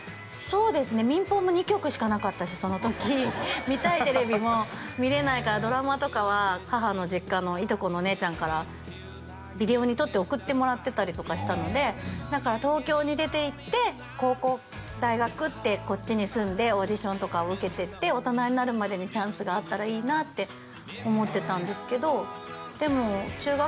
そうですね民放も２局しかなかったしその時見たいテレビも見れないからドラマとかは母の実家のいとこのお姉ちゃんからビデオに録って送ってもらってたりとかしたのでだから東京に出ていって高校大学ってこっちに住んでオーディションとかを受けてって大人になるまでにチャンスがあったらいいなって思ってたんですけど